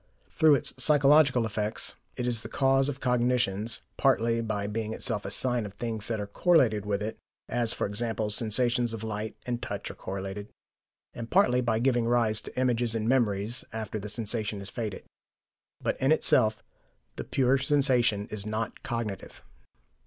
Through its psychological effects, it is the cause of cognitions, partly by being itself a sign of things that are correlated with it, as e.g. sensations of sight and touch are correlated, and partly by giving rise to images and memories after the sensation is faded. But in itself the pure sensation is not cognitive.